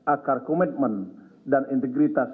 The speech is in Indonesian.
akar komitmen dan integritas